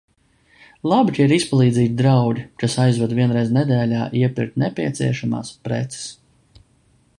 Labi, ka ir izpalīdzīgi draugi, kas aizved vienreiz nedēļā iepirkt nepieciešamās preces.